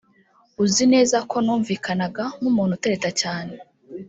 “ Uzi neza ko numvikanaga nk’umuntu utereta cyane